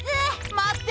まって！